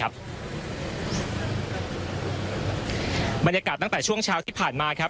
บรรยากาศตั้งแต่ช่วงเช้าที่ผ่านมาครับ